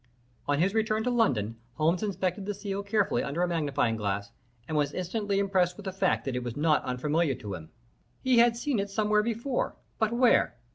"On his return to London, Holmes inspected the seal carefully under a magnifying glass, and was instantly impressed with the fact that it was not unfamiliar to him. He had seen it somewhere before, but where?